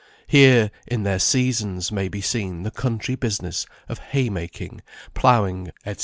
Here in their seasons may be seen the country business of hay making, ploughing, &c.